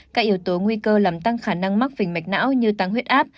các yếu tố nguy cơ làm tăng khả năng mắc về mạch não như tăng huyết áp